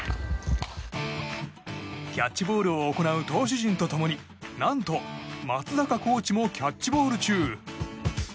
キャッチボールを行う投手陣と共に何と松坂コーチもキャッチボール中。